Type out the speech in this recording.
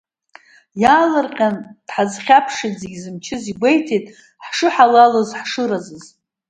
Иаалырҟьан, дҳазхьаԥшит зегь зымчыз, игәеиҭеит, ҳашҳалалыз, ҳашразыз.